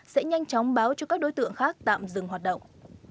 sẽ nhanh chóng báo cho các đối tượng khác tạm dừng hoạt động